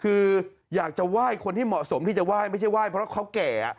คืออยากจะไหว้คนที่เหมาะสมที่จะไหว้ไม่ใช่ไหว้เพราะเขาแก่